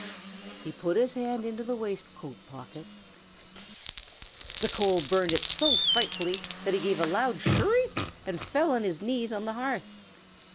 He put his hand into the waistcoat pocket. S s s s s! the coal burned it so frightfully that he gave a loud shriek, and fell on his knees on the hearth.